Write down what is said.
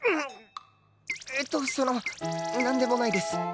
えっとそのなんでもないです。